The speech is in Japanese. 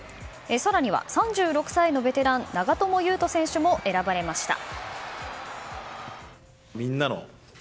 更には３６歳のベテラン長友佑都選手も選ばれました。